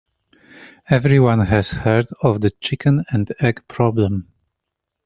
Everyone has heard of the chicken and egg problem.